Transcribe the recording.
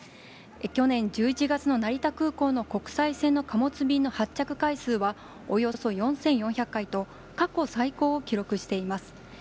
去年１１月の成田空港の国際線の貨物便の発着回数はおよそ４４００回と過去最高を記録しています。